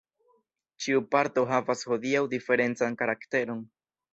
Ĉiu parto havas hodiaŭ diferencan karakteron.